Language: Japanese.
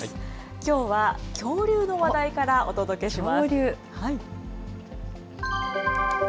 きょうは恐竜の話題からお届けします。